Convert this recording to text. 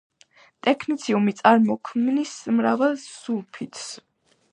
ტექნეციუმი წარმოქმნის მრავალ სულფიდს.